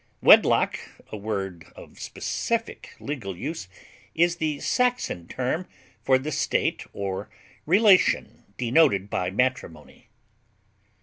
Wedlock, a word of specific legal use, is the Saxon term for the state or relation denoted by matrimony.